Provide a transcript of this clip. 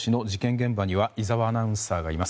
現場には井澤アナウンサーがいます。